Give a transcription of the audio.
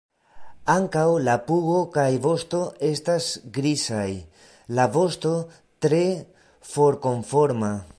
Ankaŭ la pugo kaj vosto estas grizaj; la vosto tre forkoforma.